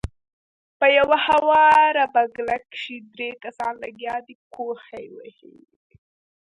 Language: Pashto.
پۀ يوه هواره بګله کښې درې کسان لګيا دي کوهے وهي